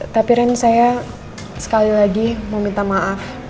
tapi ren saya sekali lagi mau minta maaf